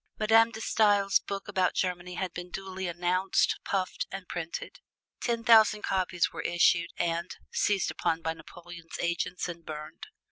Madame De Stael's book about Germany had been duly announced, puffed, printed. Ten thousand copies were issued and seized upon by Napoleon's agents and burned.